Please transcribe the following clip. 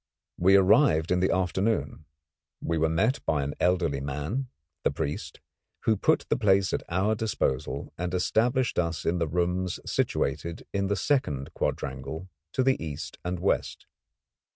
We arrived in the afternoon. We were met by an elderly man, the priest, who put the place at our disposal and established us in the rooms situated in the second quadrangle to the east and west.